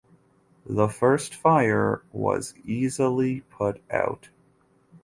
The first fire was easily put out.